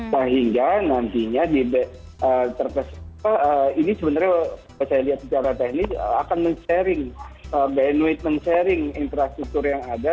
sehingga nantinya di ini sebenarnya kalau saya lihat secara teknis akan men sharing bandwidh men sharing infrastruktur yang ada